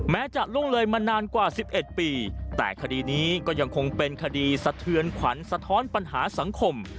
จะล่วงเลยมานานกว่า๑๑ปีแต่คดีนี้ก็ยังคงเป็นคดีสะเทือนขวัญสะท้อนปัญหาสังคม